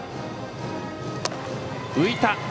浮いた！